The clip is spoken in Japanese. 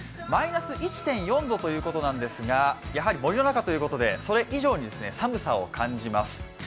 マイナス１．４度ということなんですがやはり森の中ということで、それ以上に寒さを感じます。